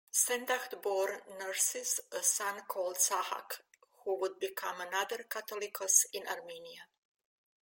Sanducht bore Nerses a son called Sahak, who would become another Catholicos in Armenia.